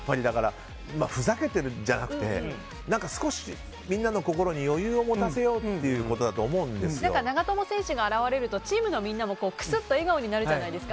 ふざけてるんじゃなくて少しみんなの心に余裕を持たせようということだと長友選手が現れるとチームのみんなもくすっと笑顔になるじゃないですか。